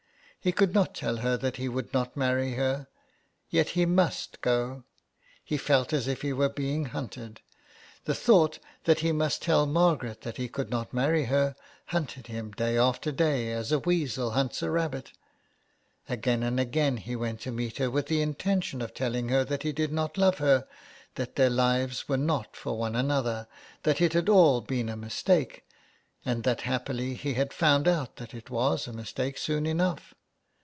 He could not tell her that he would not marry her ... yet he must go. He felt as if he were being hunted ; the thought that he must tell Margaret that he could not marry her hunted him day after day as a weasel hunts a rabbit. Again and again he went to meet her with the intention of telling her that he did not love her, that their lives were not for one another, that it had all been a mistake, 169 HOME SICKNESS. and that happily he had found out it was a mistake soon enough.